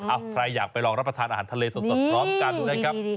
ใครอยากไปลองรับประทานอาหารทะเลสดพร้อมกันนะครับ